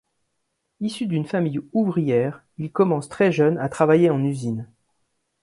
Issu d'une famille ouvrière, il commence très jeune à travailler en usine.